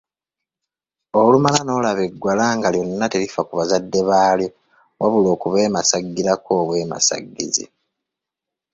Olumala n'olaba eggwala nga lyonna terifa ku bazadde baalyo wabula okubeemasaggirako obwemasaggizi!